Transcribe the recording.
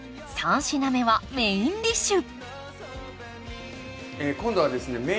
３品目はメインディッシュ今度はですね